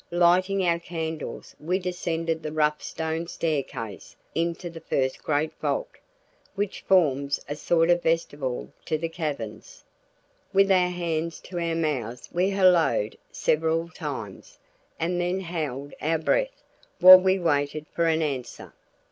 Lighting our candles, we descended the rough stone staircase into the first great vault, which forms a sort of vestibule to the caverns. With our hands to our mouths we hallooed several times and then held our breath while we waited for an answer.